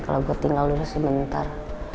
kalo gue tinggal dulu sebentar